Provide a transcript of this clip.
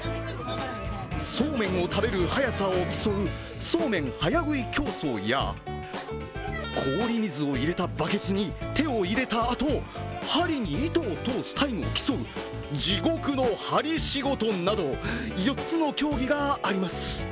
そーめんを食べる速さを競うそーめん早喰い競争や氷水を入れたバケツに手を入れたあと針に糸を通すタイムを競う地獄の針仕事など４つの競技があります。